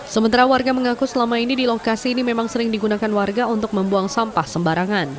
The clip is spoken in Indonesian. sementara warga mengaku selama ini di lokasi ini memang sering digunakan warga untuk membuang sampah sembarangan